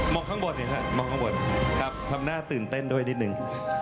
มองข้างบนมองข้างบนครับทำหน้าตื่นเต้นด้วยนิดหนึ่ง